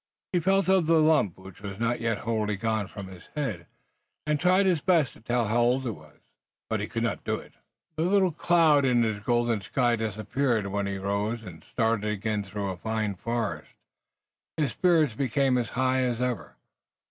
He felt of the lump which was not yet wholly gone from his head, and tried his best to tell how old it was, but he could not do it. The little cloud in his golden sky disappeared when he rose and started again through a fine forest. His spirits became as high as ever.